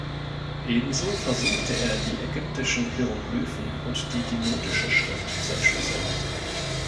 Ebenso versuchte er die Ägyptischen Hieroglyphen und die Demotische Schrift zu entschlüsseln.